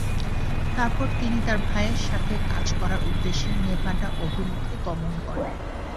তারপর তিনি তার ভাইয়ের সাথে কাজ করার উদ্দেশ্যে নেভাডা অভিমুখে গমন করেন।